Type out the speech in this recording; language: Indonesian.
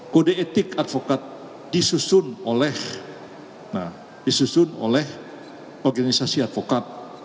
kode etik advokat disusun oleh organisasi advokat